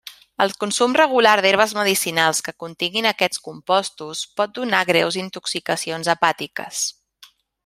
El consum regular d'herbes medicinals que continguin aquests composts pot donar greus intoxicacions hepàtiques.